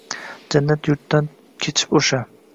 Jannat yurtdan kechib o’sha